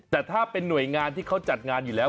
แต่ถ้าเป็นหน่วยงานที่เขาจัดงานอยู่แล้ว